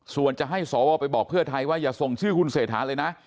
ส่วนจะให้สวไปบอกเพื่อไทยว่าอย่าส่งชื่อคุณเศรษฐาเลยนะ